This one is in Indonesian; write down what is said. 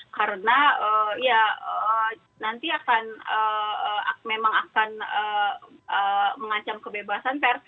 karena ya nanti akan memang akan mengancam kebebasan pers